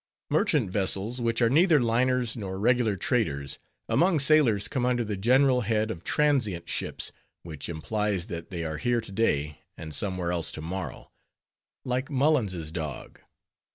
Merchant vessels which are neither liners nor regular traders, among sailors come under the general head of transient ships; which implies that they are here to day, and somewhere else to morrow, like Mullins's dog.